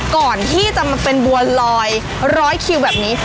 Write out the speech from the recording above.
ก่อนที่จะมาเป็นบัวลอยร้อยคิวแบบนี้